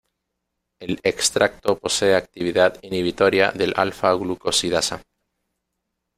El extracto posee actividad inhibitoria del alfa-glucosidasa.